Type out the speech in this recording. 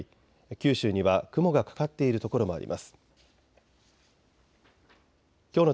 九州には雲がかかっている所もあります。